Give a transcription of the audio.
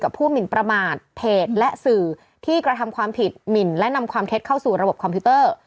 ผู้หมินประมาทเพจและสื่อที่กระทำความผิดหมินและนำความเท็จเข้าสู่ระบบคอมพิวเตอร์